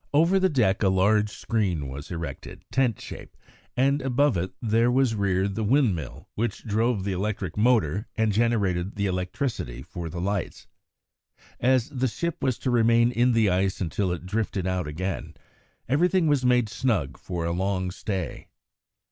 Over the deck a large screen was erected, tent shape, and above it there was reared the windmill which drove the electric motor and generated the electricity for the lights. As the ship was to remain in the ice until it drifted out again, everything was made snug for a long stay.